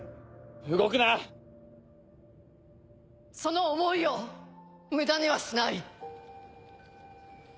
その思いを無駄にはしない。